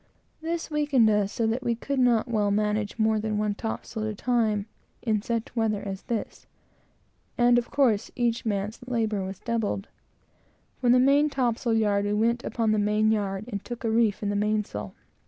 This weakened us so that we could not well manage more than one topsail at a time, in such weather as this, and, of course, our labor was doubled. From the main topsail yard, we went upon the main yard, and took a reef in the mainsail.